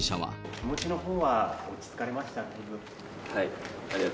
気持ちのほうは落ち着かれましたか？